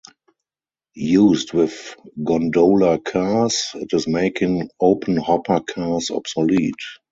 Used with gondola cars, it is making open hopper cars obsolete.